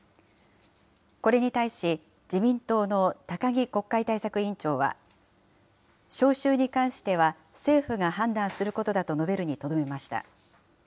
これに対し、自民党の高木国会対策委員長は、召集に関しては政府が判断することだと述べるにとどめました。